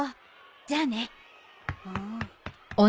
じゃあね。